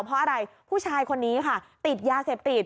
เพราะอะไรผู้ชายคนนี้ค่ะติดยาเสพติด